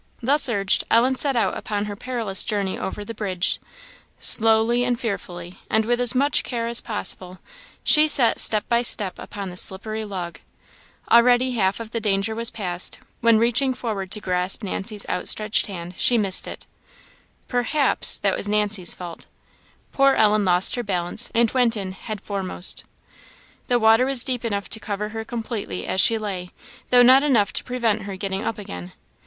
Thus urged, Ellen set out upon her perilous journey over the bridge. Slowly and fearfully, and with as much care as possible, she set step by step upon the slippery log. Already half of the danger was passed, when, reaching forward to grasp Nancy's outstretched hand, she missed it perhaps that was Nancy's fault poor Ellen lost her balance, and went in head foremost. The water was deep enough to cover her completely as she lay, though not enough to prevent her getting up again.